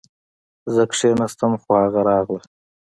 زه کښېناستم خو هغه راغله